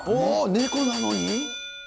猫なのに。